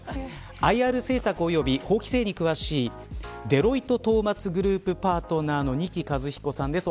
ＩＲ政策及び法規制に詳しいデロイトトーマツグループパートナーの仁木一彦さんです。